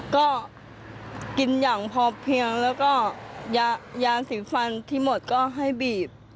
ก็กินอย่างพอเพียงแล้วก็ยาสีฟันที่หมดก็ให้บีบ